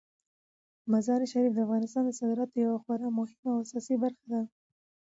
مزارشریف د افغانستان د صادراتو یوه خورا مهمه او اساسي برخه ده.